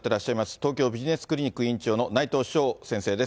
東京ビジネスクリニック院長の内藤祥先生です。